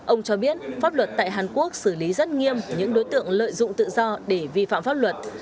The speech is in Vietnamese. ông cho biết pháp luật tại hàn quốc xử lý rất nghiêm những đối tượng lợi dụng tự do để vi phạm pháp luật